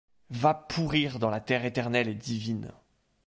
Va pourrir dans la terre éternelle et divine